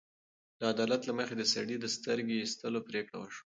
د عدالت له مخې د سړي د سترګې ایستلو پرېکړه وشوه.